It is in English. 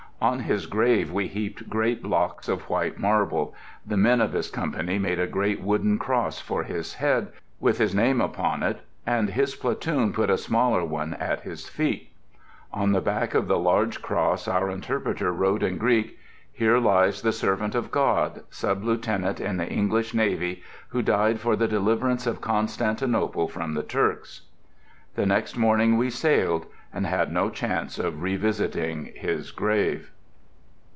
On his grave we heaped great blocks of white marble; the men of his company made a great wooden cross for his head, with his name upon it, and his platoon put a smaller one at his feet. On the back of the large cross our interpreter wrote in Greek.... "Here lies the servant of God, sub lieutenant in the English navy, who died for the deliverance of Constantinople from the Turks." The next morning we sailed, and had no chance of revisiting his grave.